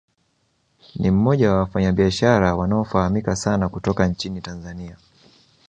Ni mmoja wa wafanyabiashara wanaofahamika sana kutoka nchini Tanzania